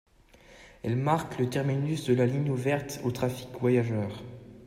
Elle marque le terminus de la ligne ouverte au trafic voyageurs.